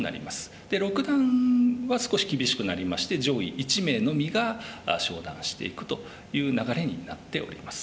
で六段は少し厳しくなりまして上位１名のみが昇段していくという流れになっております。